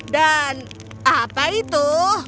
dan apa itu